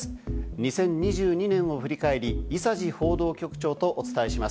２０２２年を振り返り、伊佐治報道局長とお伝えします。